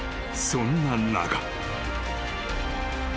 ［そんな中］